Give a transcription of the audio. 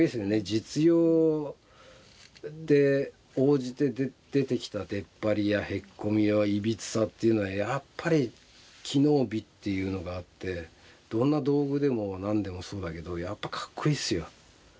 実用で応じて出てきたでっぱりやへっこみやいびつさっていうのはやっぱり機能美っていうのがあってどんな道具でも何でもそうだけどやっぱかっこいいっすよ。